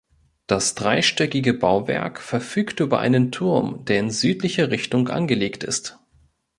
Das dreistöckige Bauwerk verfügt über einen Turm, der in südliche Richtung angelegt ist.